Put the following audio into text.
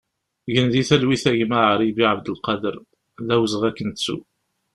Gen di talwit a gma Aribi Abdelkader, d awezɣi ad k-nettu!